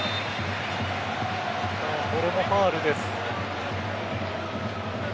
これもファウルです。